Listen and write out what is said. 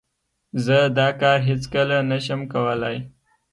زه دا کار هیڅ کله نه شم کولای.